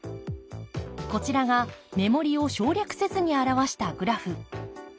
こちらが目盛りを省略せずに表したグラフ。